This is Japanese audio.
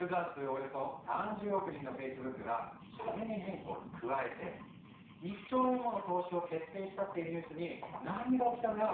およそ３０億人のフェイスブックが社名変更に加えて１兆円もの投資を決定したっていうニュースに何が起きたのよ？